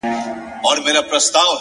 زمـــــونږ د تن په غــــوښو روږدي یاران